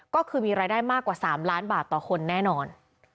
ก็คือมีรายได้มากกว่า๓ล้านบาทต่อคนแน่นอน